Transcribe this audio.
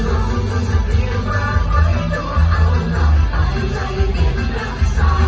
โลกมันจะเบียบร้อยไว้ตัวเอาต่อไปได้ยินรักษา